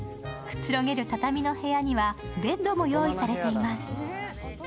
くつろげる畳の部屋にはベッドも用意されています。